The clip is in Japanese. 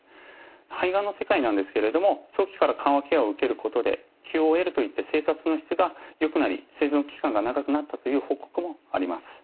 肺がんの世界なんですけれども初期から緩和ケアを受けることでＱＯＬといった生活の質がよくなり生存期間が長くなったという報告もあります。